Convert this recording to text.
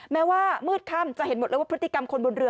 แม้ว่ามืดค่ำจะเห็นหมดเลยว่าพฤติกรรมคนบนเรือ